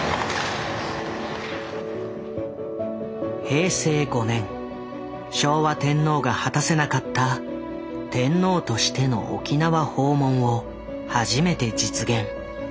平成５年昭和天皇が果たせなかった天皇としての沖縄訪問を初めて実現。